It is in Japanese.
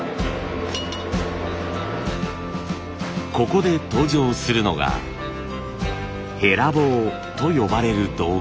ここで登場するのがヘラ棒と呼ばれる道具。